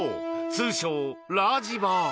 通称・ラージバー。